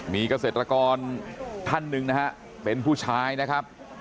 มีเกษตรกรท่านหนึ่งนะฮะเป็นผู้ชายนะครับ